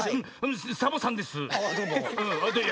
サボさんです。